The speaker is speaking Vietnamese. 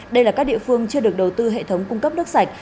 đây là các địa phương chưa được đầu tư hệ thống cung cấp nước sạch